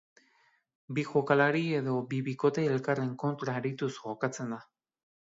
Bi jokalari edo bi bikote elkarren kontra arituz jokatzen da.